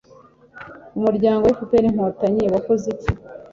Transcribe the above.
umuryango fpr-inkotanyi wakoze iki